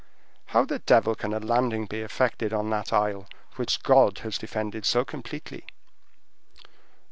How the devil can a landing be effected on that isle which God has defended so completely?"